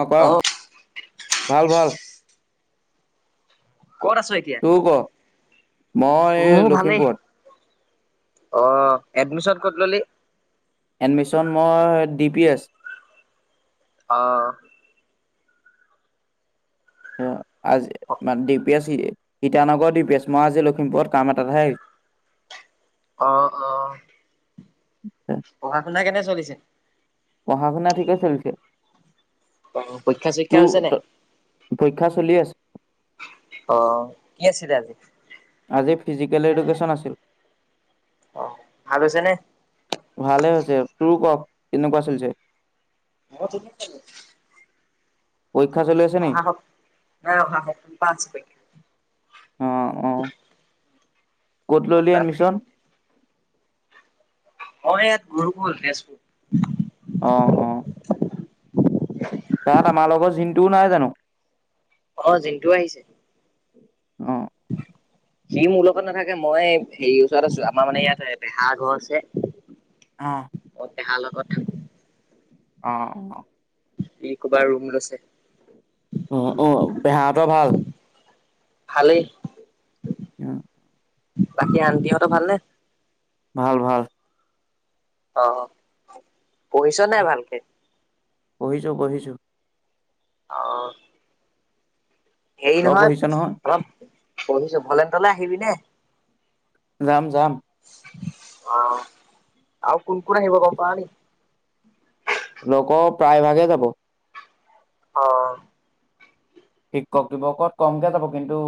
অ ক ভাল ভাল। ক'ত আছ এতিয়া? তোৰ ক মই মোৰ এই ভালেই। লখিমপুৰত। অ এডমিশন ক'ত ললি। এডমিশন মই ডি পি এছ। অহ। এ। আজি মান দি P A C. Itanagar D P S মই আজি লখিমপুৰত কাম এটাত আহিলোঁ। অহ অহ [unintelligible] পঢ়া শুনা কেনে চলিছে? পঢ়া শুনা ঠিকে চলিছে। অ। পৰীক্ষা চৰীক্ষা তোৰ হৈছে নাই? পৰীক্ষা চলি আছে। অ', কি আছিলে আজি। আজি ফিজিকেল এডুকেশ্যন আছিল। অ', ভাল হৈছে নে? ভালে হৈছে তোৰ ক। কেনেকুৱাচলি চে। [unintelligible] পৰীক্ষা চলি আছে নি অহা সপ নাই অহা সপ্তাহৰ পৰা আছে পৰীক্ষা। অ অ ক'ত ল'লি এডমিশন। অ ইয়াত গুৰুকুল তেজপুৰ। অহ - অহ তাত আমাৰ লগত জিন টু নাই জানো। অহ, জিণ্টু আহিছে। অহ', সি মোৰ লগত নাথাকে, মই হেৰি ওচৰত আছো আমাৰ মানে ইয়াত পেহাৰ ঘৰ আছে। অহ', মই পেহাৰ লগত থাকো। অহ - অহ ই ক'বাৰ ৰুম লৈছে। অ', অ', পেহাহঁতৰ ভাল ভালে। অহ ', বাকী আন্তিহঁতৰ ভালনে? ভাল -ভাল। অহ, পঢ়িছ নাই ভালকে? পঢ়িছোঁ -পঢ়িছোঁ। অহ', হেৰী তই পঢ়িছ নহয় অলপ পঢ়িছো, ভলেন্তলে আহিবি নে? যাম-যাম। অহ, আৰু কোন -কোন আহিব গম পা নি? লগৰ প্ৰায় ভাগে যাব। অহ', শিক্ষক দিৱসত কমকে যাব কিন্তু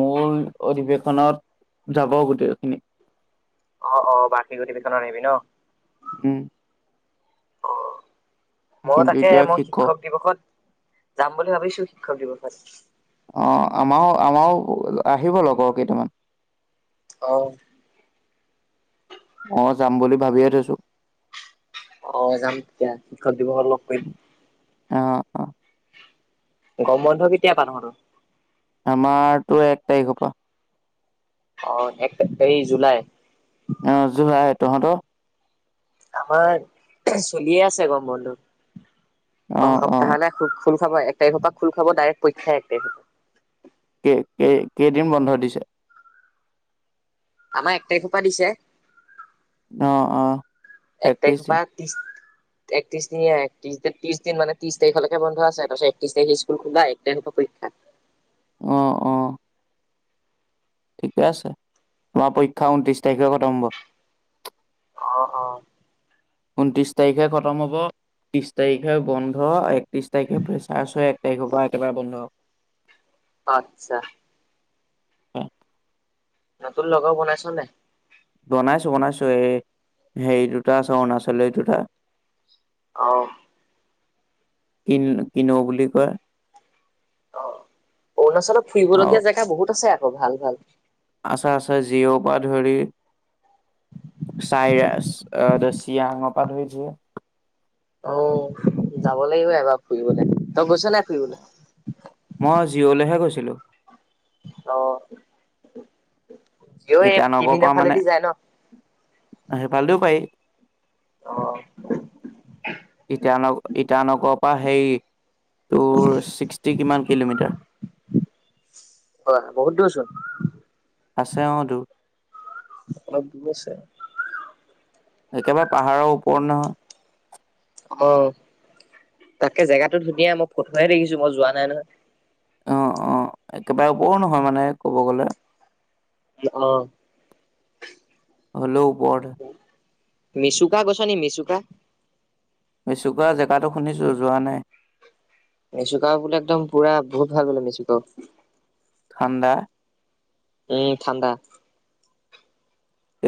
মূল অধিৱেশনত যাব গোটেইখিনি। অহ - অহ বাৰ্ষিক অধিবেশনত আহিবি ন'? উম অ', মই কিন্তু তাকে, এতিয়া মই শিক্ষক দিৱসত যাম বুলি ভাবিছো শিক্ষক দিৱস [unintelligible] অহ, আমাৰো -আমাৰো আহিব লগৰ কেইটামান। অহ, ' অহ, যাম বুলি ভাবিয়ে থৈছোঁ। অহ, যাম দিয়া শিক্ষক দিৱসত লগ কৰিম। আহ- আ গম বন্ধ কেতিয়া পা তহতৰ? আমাৰতো এক তাৰিখৰ পৰা। অহ, এক এই জুলাই? অহ, জুলাই তহঁতৰ? আমাৰ চলিয়ে আছে গৰম বন্ধ। অ অহা অ সপ্তাহলে খুখ। খুল খাব এক তাৰিখৰ পা খুল খাব ডাইৰেক্ট পৰীক্ষাই এক তাৰিখৰ পৰা। কেই -কেই -কেইদিন বন্ধ দিছে? আমাৰ এক তাৰিখৰ পা দিছে। অঁ অঁ একত্ৰিশ দিন একত্ৰিছ দিনীয়া এক ত্ৰিচ ত্ৰিছ দিন মানে ত্ৰিছ তাৰিখলেকে বন্ধ আছে তাৰপিছত একত্ৰিছ তাৰিখে স্কুল খোলা এক তাৰিখৰ পৰা পৰীক্ষা অঁ অঁ ঠিকে আছে তোমাৰ পৰীক্ষা ঊনত্ৰিশ তাৰিখে খতম হ'ব অঁ অঁ ঊনত্ৰিছ তাৰিখে খতম হ'ব ত্ৰিছ তাৰিখে বন্ধ একত্ৰিছ তাৰিখে ফেচাৰ্চ হয় এক তাৰিখৰ পৰা একেবাৰে বন্ধ আতচ্ছা এ নতুন লগৰ বনাইছ নাই বনাইছো বনাইছো এই হেৰি দুটা আছে অৰুণাচলিৰ দুটা অঁ কিন কিনো বুলি কয় অ' অৰুণাচলত আৰু ফুৰিবলগীয়া জেগা বহুত আছে অ' ভাল ভাল আছে আছে জিঅ'ৰ পৰা ধৰি চাইৰা আ চিয়াঙৰ পৰা ধৰি যোৱা অ' যাব লাগিব এবাৰ ফুৰিবলে তই গৈছ নাই ফুৰিবলৈ? মই জিঅ'লেহে গৈছি ছিলো অঁ ইটানগৰৰ পৰা মানে সেইফালে দিও পাৰি অ', ইটান ইটানগৰৰ পৰা হেৰি তোৰ ছিক্সটি কিমান কিলোমিটাৰ হয় বহুত দূৰচোন আছে অঁ দূৰ অলপ দূৰ আছে একেবাৰে পাহাৰৰ ওপৰত নহয় অঁ তাকে জেগাতো ধুনীয়া মই ফটোহে দেখিছোঁ মই যোৱা নাই নহয় অ' অ' একেবাৰে ওপৰো নহয় মানে ক'ব গ'লে অঁ হ'লেও ওপৰতে মিচুকা গৈছ নি মিচুকা মেচুকা জেগাটো শুনিছোঁ যোৱা নাই মেচুকা বোলে একদম পুৰা বহুত ভাল বোলে মেচুকা ঠাণ্ডা উম ঠাণ্ডা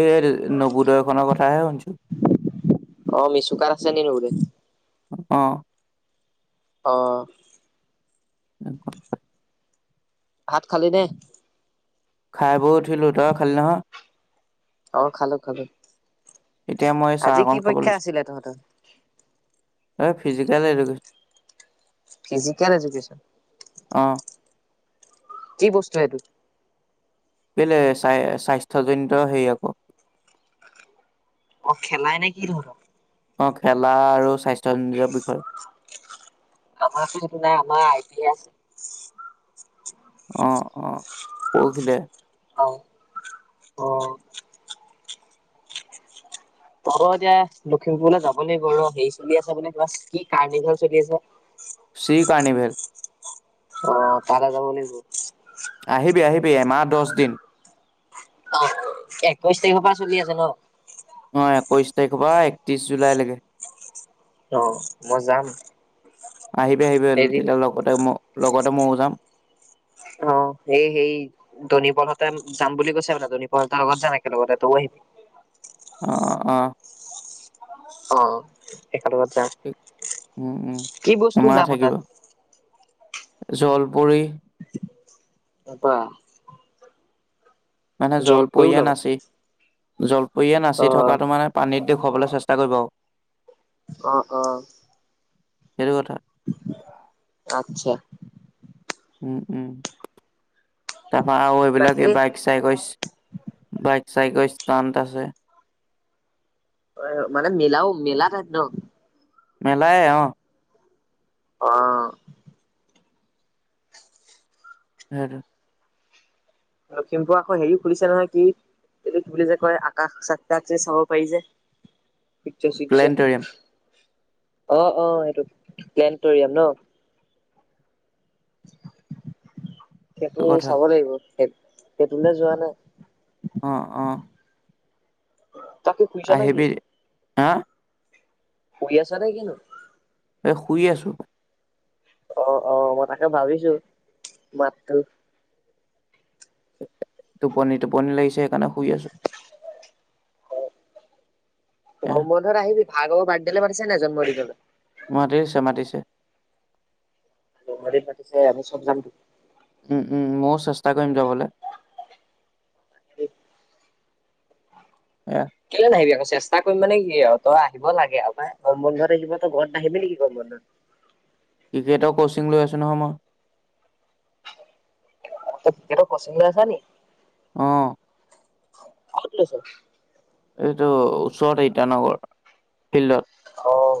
এই নৱোদয়খনৰ কথাহে শুনিছোঁ অঁ মেচুকাত আছে নি নবোদয় অঁ অঁ [inaudible] ভাত খালি নে খাই বৈ উঠিলো তই খালি নহয় অঁ খালো খালো এতিয়া মই চাহ আজি অকন কি খাব পৰীক্ষা আছিলে তহঁতৰ এ ফিজিকেল এডোকেশ্যন ফিজিকেল এজোশ্যন অ কি বস্তু এইটো বেলে স্বা স্বাস্থ্যজনিত হেই আকৌ অ খেলাই নে কি ধৰণৰ অ খেলা আৰু স্বাস্থ্য নিজৰ বিষয় আমাৰ নাই আমাৰ আই পি অ অ পৰখিলে অ অ পোৱাব এতিয়া লখিমপুৰলৈ যাব লাগিব ৰ হেৰি চলি আছে বোলে কিবা কি কাৰ্ণিভল চলি আছে কাৰ্ণিভেল অ তালে যাব লাগিব আহিবি আহিবি এমাহ দছ দিন অ একৈশ তাৰিখৰ পৰা চলি আছে ন অ একৈশ তাৰিখৰ পৰা একত্ৰিশ জুলাইলৈকে অ মই যাম আহিবি আহিবি এদিন তেতিয়া লগতে মোক লগতে ময়ো যাম অ সেই সেই ধনী পলহঁতে যাম বুলি কৈছে বোলে ধনী পলহঁতৰ লগত যাম একে লগতে তয়ো আহিবি অ অ অ অ একেলগত যাম ঠিক, উম, উম। কি বস্তু ওলাব তাত জলপুৰি তা পা মানে জলপৰীয়া নাছে জলপৰি জলপুয়ে নাচি অ থকাটো মানে পানীত দেখুৱাবলৈ চেষ্টা কৰিব আৰু অ অ সেইটো কথা আচ্ছা উম উম তাৰপা আৰু এইবিলাক বাকী এই বাইক চাইক ইচ্ছা বাইক চাইকষ্টানত আছে অ মানে মেলাও মেলা তাত ন মেলায়ে অ অ [unintelligible] লখিমপুৰ আকৌ হেৰিও খুলিছে নহয় কি এইটো কি বুলি যে কয় আকাশ চাক তাক যে চাব পাৰি যে [unintelligible] প্লেনেটৰিয়াম অ অ এইটো প্লেনটৰিয়াম ন [unintelligible] সেইটো চাব লাগিব। সেইটোলৈ যোৱা নাই। অ অ [unintelligible] তাকে শুইছা নেকি? হাঁ শুই আচা নে কিনো? এ' শুই আছো। অঁ অঁ মই তাকে ভাবিছো মাতটো। টোপনি, টোপনি লাগিছে সেইকাৰণে- শুই আছো। গৰম বন্ধত আহিবি। ভাৰ্গৱৰ বাৰ্ডদে লে মাতিছে নাই জন্ম দিনলে? মাতিছে, মাতিছে। জন্মদিন পাতিছে আমি চব যাম তো। উম' উম' ময়ও চেষ্টা কৰিম যাবলে। উম। এ কেলে নাইদিয়া কৈছো। চেষ্টা কৰিম মানে কি আৰু তই আহিব লাগে আৰু পাই। গমৰ বন্ধত আহিবি তই ঘৰত নাহিবি নেকি গৰম বন্ধত। ক্ৰিকেটৰ কচিং লৈ আছোঁ নহয় মই। অ তই কচিং লৈ আছ নি অহ। ক'ত লৈছ? এইটো ওচৰতে ইটানগৰ ফিল্ডত। অহ।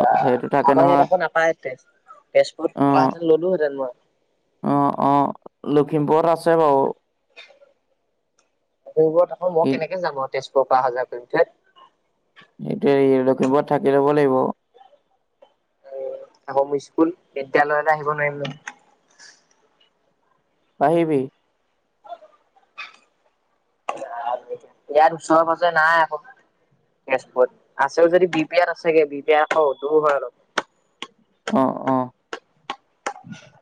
বা' সেইটো থাকে আমাৰ নহয় ইয়াত একো নাপায়। তেজ তেজপুৰত পুৱা অ', হেতেন ললো হেতেন মই। অ অ লখিমপুৰত আছে বাও। লখিমপুৰত আকৌ মই ই কেনেকৈ জাম আও তেজপুৰ কৰ পৰা অহা যোৱা কৰিম ধেট। সেইটোৱে লখিমপুৰত থাকি ল'ব লাগিব। আমাৰ স্কুল বিদ্যালয়লৈ আহিব নোৱাৰিম ন? পাৰিবি। ইয়াৰ ওচৰে পাজৰে নাই আকৌ তেজপুৰত। আছেও যদি বি পিয়াত আছেগে বি পিয়াত আকৌ দূৰ হয় অলপ। অ অ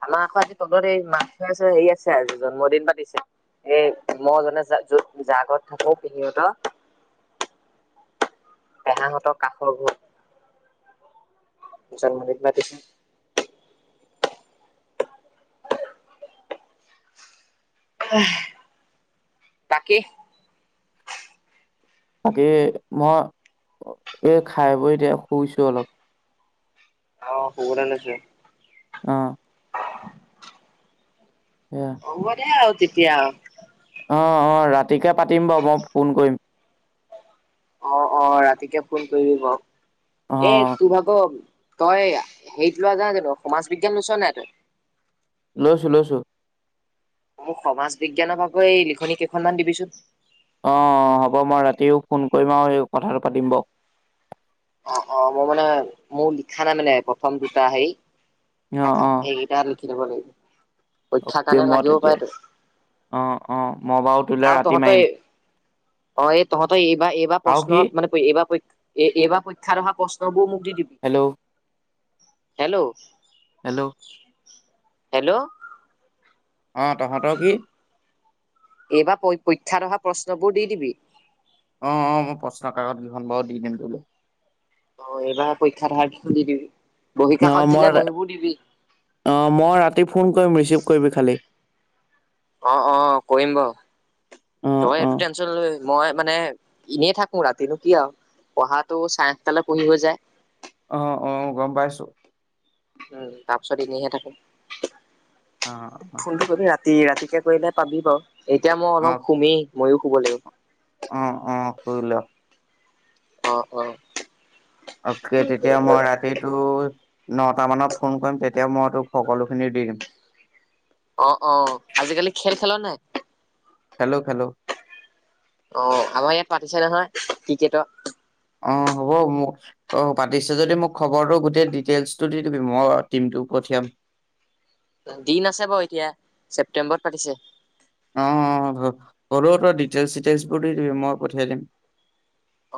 আমাৰ আকৌ আজি তলত এই মাছ খোৱাইচে। হেৰি আছে আজি জন্মদিন পাতিছে। এই মই যে য'ত থাকো পেহীহঁতৰ- পেহাহঁতৰ কাষৰ ঘৰটো জন্মদিন পাতিছে। বাকী। বাকী, মই এই খাই বৈ এতিয়া শুইছো অলপ। অঁ শুবলে লৈছো। অ এয়া হ'ব দে আৰু। তেতিয়া। অ অ, ৰাতিকে পাতিম বাৰু মই ফোন কৰিম। অ অ, ৰাতিকে ফোন কৰিবি বাও। এ অ', তোৰ ভাগ। তই হেৰিত লোৱা নাই জানো, সমাজ বিজ্ঞান লৈছ নাই তই? লৈছো লৈছো। মোক সমাজ বিজ্ঞানৰ ভাগে এই লিখনি কেইখনমান দিবিচোন। অ হ'ব মই ৰাতিও ফোন কৰিম আৰু এই কথাটো পাতিম ব। অ অ, মই মানে মোৰ লিখা নাই মানে প্ৰথম দুটা সেই। অ', থাকা অ', এই আৰু। লিখি লব লাগিব। পৰীক্ষাৰ অকে কাৰণে মই লাগিব তেতিয়া পাৰেতো অ', অ', মই বাৰু তোলে আৰু ৰাতি তহঁতেই মাৰিম অ এই তহঁতেই এইবাৰ এইবাৰ আৰু প্ৰশ্ন কি মানে এইবাৰী। এ এব প। চাহেত পৰা প্ৰশ্ন বোৰ ম [unintelligible] দি ডিবি। Hello hello. হেল্ল' হেল্ল' অ তহঁতও কি। এইবাৰ পৰীক্ষাত অহা প্ৰশ্নবোৰ দি দিবি। অ অ, মই প্ৰশ্ন কাকত দুখন বাৰু দি দিম তোলে। অ, এইবাৰ পৰীক্ষা অহাৰ কেইখন দিবি। বহী অ, কাষত দিলে মই বহীবোৰ দিবি অ মই ৰাতি ফোন কৰিম ৰিচিভ কৰিবি খালি। অ অ, কৰিম বাৰু, অ তই অ। সটো টেনচন। মই মানে এনেই থাকো ৰাতিনো কি আৰু পঢ়াটো চাৰেটালৈ পঢ়ি হৈ যায়। আহ অ গম পাইছো। উম, তাৰপিছত এনেইহে থাকো। অ অ, ফোনটো কৰিবি ৰাতি ৰাতিকে কৰিলে পাবি বাৰু। এতিয়া মই অ অলপ সুমে। মই শুব লাগিব। অ অ, শুই 'ল। অ অ। অকে তেতিয়া মই ৰাতিটো। নটা মানত ফোন কৰিম, তেতিয়া মই তোক সকলোখিনি দি দিম। অ অ, আজিকালি খেল খেলা নাই? খেল্ল' খেল্ল'। অ, আমাৰ ইয়াত পাতিছে নহয় টিকেটত। অ হ'ব মোক অ পাতিছে যদি মোক খবৰটো গোটেই ডিটেইলচটো দি দিবি মই টিমটো পঠিয়াম। দিন আছে বাৰু এতিয়া ছেপটেম্বৰত পাতিছে। সৰু ত ডিটেইলচ চিটেইলচবোৰ দি দিবি মই পঠিয়াই দিম।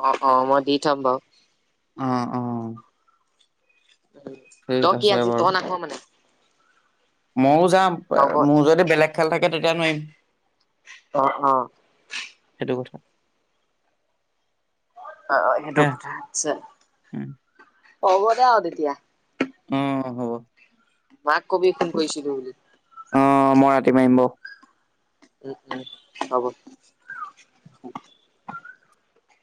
অ অ মই দি থাম বাৱ অ [inaudible] ঠিক তই কি আজি তই নাহ মানে মও যাম হ'ব দে মোৰ যদি বেলেগ খেল থাকে তে তিয়া নোৱাৰিম অ অ সেইটো কথা অ অ সেইতো সেয়া কথা হৈছে উম। হ'ব দে আৱ তেতিয়া উম হ'ব মাক কবি ফোন ঠিক আছে। কৰিছিলো বুলি অ', মই ৰাতি মাৰিম বাৱ উম উম হ'ব